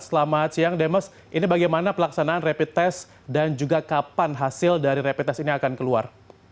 selamat siang demes ini bagaimana pelaksanaan rapid test dan juga kapan hasil dari rapid test ini akan keluar